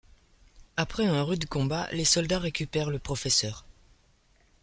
Après un rude combat, les soldats récupèrent le professeur.